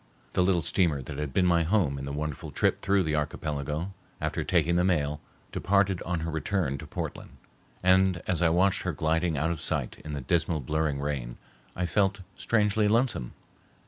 The little steamer that had been my home in the wonderful trip through the archipelago, after taking the mail, departed on her return to Portland, and as I watched her gliding out of sight in the dismal blurring rain, I felt strangely lonesome.